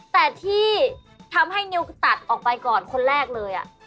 แต่ที่ทำให้นิวตัดออกไปก่อนคนแรกเลย